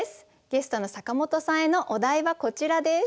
ゲストの坂本さんへのお題はこちらです。